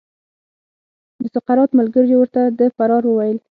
د سقراط ملګریو ورته د فرار وویل.